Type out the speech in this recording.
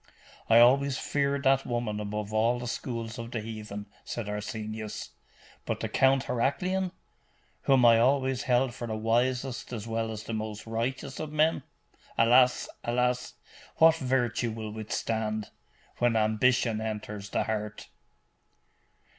'I always feared that woman above all the schools of the heathen,' said Arsenius. 'But the Count Heraclian, whom I always held for the wisest as well as the most righteous of men! Alas! alas! what virtue will withstand, when ambition enters the heart!